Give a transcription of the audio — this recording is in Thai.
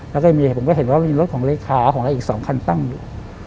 แล้วก็มีผมก็เห็นว่ามีรถของเลขาของเราอีก๒คันตั้งอยู่